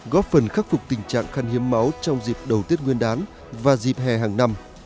góp phần khắc phục tình trạng khăn hiếm máu trong dịp đầu tết nguyên đán và dịp hè hàng năm